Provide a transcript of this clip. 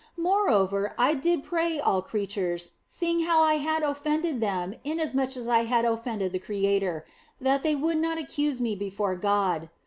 Moreover, I did pray all creatures (seeing how that I had offended them inasmuch as I had offended the Creator), that they would not accuse me before God.